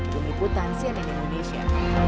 dungiputan cnn indonesia